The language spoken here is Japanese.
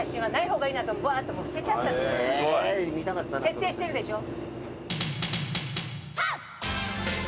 徹底してるでしょ？